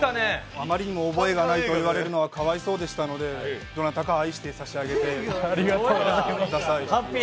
あまりにも覚えがないと言われるのはかわいそうでしたのでどなたか愛して差し上げてください。